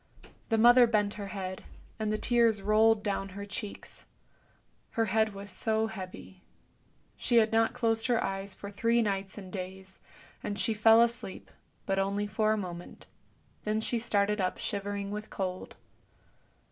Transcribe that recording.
The mother bent her head, and the tears rolled down her cheeks. Her head was so heavy, she had not closed her eyes for three nights and days, and she fell asleep, but only for a moment, then she started up shivering with cold.